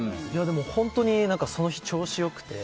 でも本当にその日調子良くて。